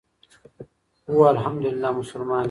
هو ألحمد لله مسلمان يم،